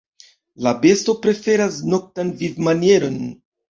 La besto preferas noktan vivmanieron.